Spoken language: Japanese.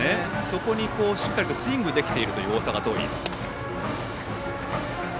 そこにしっかりスイングできている大阪桐蔭。